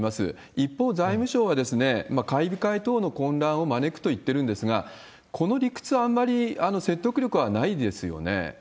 一方、財務省は買い控え等の混乱を招くと言っているんですが、この理屈はあんまり説得力はないですよね。